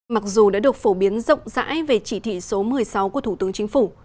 mặc dù đã được phổ biến rộng rãi về chỉ thị số một mươi sáu của thủ tướng chính phủ